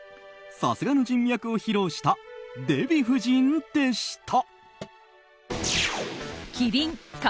さすがの人脈を披露したデヴィ夫人でした。